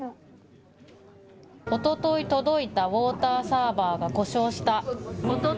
おととい届いたウォーターサーバーが故障した。